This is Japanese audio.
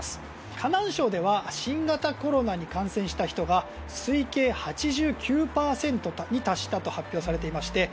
河南省では新型コロナに感染した人が推計８９％に達したと発表されていまして